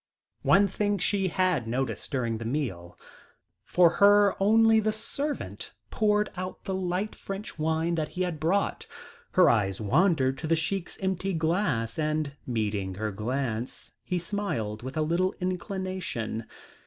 One thing she had noticed during the meal. For her only the servant poured out the light French wine that he had brought. Her eyes wandered to the Sheik's empty glass, and meeting her glance he smiled, with a little inclination.